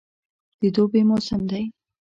د دوبي موسم دی.